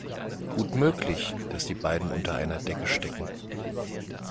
Gut möglich, dass die beiden unter einer Decke stecken.